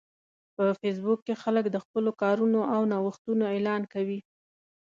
په فېسبوک کې خلک د خپلو کارونو او نوښتونو اعلان کوي